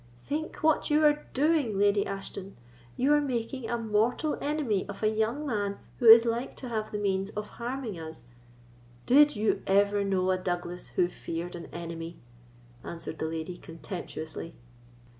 "Think what you are doing, Lady Ashton: you are making a mortal enemy of a young man who is like to have the means of harming us——" "Did you ever know a Douglas who feared an enemy?" answered the lady, contemptuously.